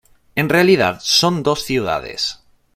En realidad, son dos ciudades.